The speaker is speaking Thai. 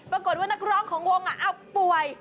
ปรากฏว่านักร้องของวงป่วย